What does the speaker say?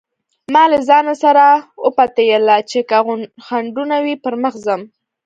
ما له ځانه سره وپتېيله چې که خنډونه وي پر مخ ځم.